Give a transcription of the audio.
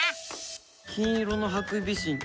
金色のハクビシン